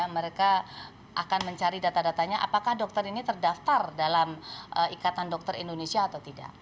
mereka akan mencari data datanya apakah dokter ini terdaftar dalam ikatan dokter indonesia atau tidak